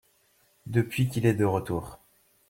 Depuis qu’il est de retour.